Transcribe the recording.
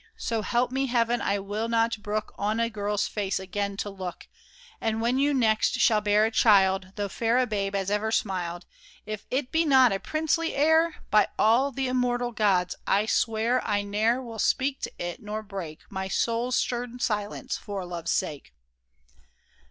So help me Heaven, I will not brook On a girl's face again to look ! And when you next shall bear a child, Though fair a babe as ever smiled, If it be not a princely heir. By all the immortal gods, I swear I ne'er will speak to it, nor break My soul's stern silence for Love's sake